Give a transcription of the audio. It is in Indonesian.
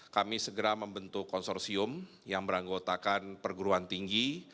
kami segera membentuk konsorsium yang beranggotakan perguruan tinggi